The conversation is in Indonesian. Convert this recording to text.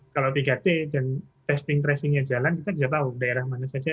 kalau tiga t dan testing tracingnya jalan kita bisa tahu daerah mana saja